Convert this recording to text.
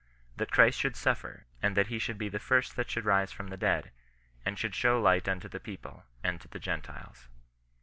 That Christ should suffer, and that he should bo the first that should rise from the dead, and should show light unto the people, and to the Gentiles."